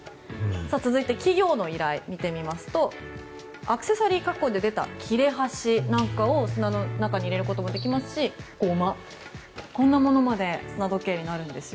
続いて、企業の依頼見てみますとアクセサリー加工で出た切れ端なんかを砂の中に入れることもできますしゴマ、こんなものまで砂時計になるんですよ。